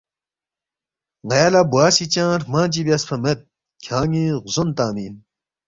ن٘یا لہ بوا سی چنگ ہرمنگ چی بیاسفا مید کھیان٘ی غزون تنگمی اِن